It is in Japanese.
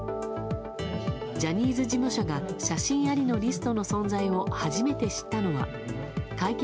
ジャニーズ事務所が写真ありのリストの存在を初めて知ったのは会見